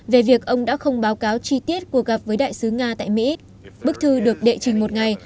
về việc ông đã không báo cáo chi tiết cuộc gặp với đại sứ nga tại mỹ bức thư được đệ trình một ngày